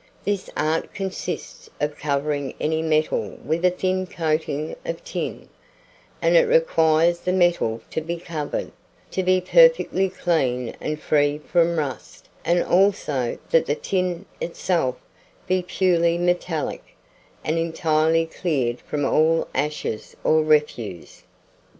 This art consists of covering any metal with a thin coating of tin; and it requires the metal to be covered, to be perfectly clean and free from rust, and also that the tin, itself, be purely metallic, and entirely cleared from all ashes or refuse.